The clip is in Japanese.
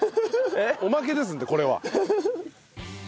おまけですんでこれは。